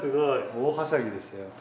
大はしゃぎでしたよ。